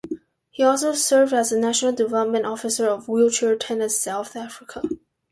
He also served as the national development officer of Wheelchair Tennis South Africa.